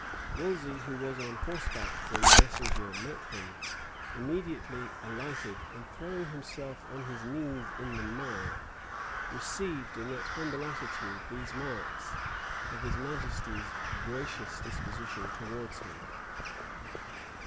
Wolsey, who was on horseback when the messenger met him, immediately alighted; and, throwing himself on his knees in the mire, received in that humble attitude these marks of his majesty's gracious disposition towards him.